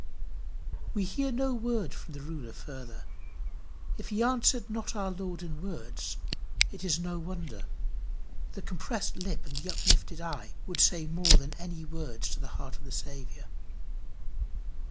We hear of no word from the ruler further. If he answered not our Lord in words, it is no wonder. The compressed lip and the uplifted eye would say more than any words to the heart of the Saviour.